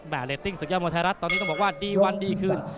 เรตติ้งศึกยอดมวยไทยรัฐตอนนี้ต้องบอกว่าดีวันดีคืน